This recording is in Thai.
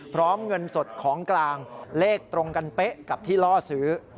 เงินสดของกลางเลขตรงกันเป๊ะกับที่ล่อซื้อ